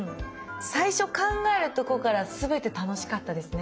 最初考えるとこからすべて楽しかったですね。